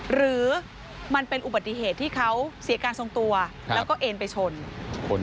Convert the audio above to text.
หรือมันเป็นอุบัติเหตุที่เขาเสียการทรงตัวแล้วก็เอ็นไปชน